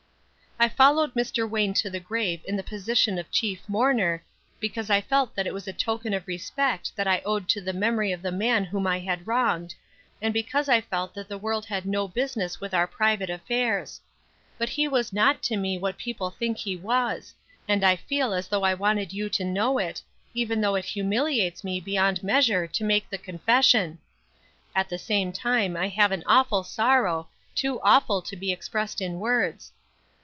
"I followed Mr. Wayne to the grave in the position of chief mourner, because I felt that it was a token of respect that I owed to the memory of the man whom I had wronged, and because I felt that the world had no business with our private affairs; but he was not to me what people think he was, and I feel as though I wanted you to know it, even though it humiliates me beyond measure to make the confession. At the same time I have an awful sorrow, too awful to be expressed in words.